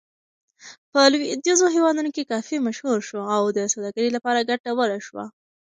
په لویدیځو هېوادونو کې کافي مشهور شو او د سوداګرۍ لپاره ګټوره شوه.